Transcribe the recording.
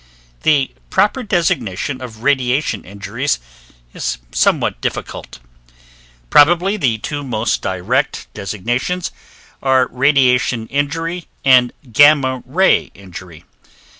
The proper designation of radiation injuries is somewhat difficult. Probably the two most direct designations are radiation injury and gamma ray injury.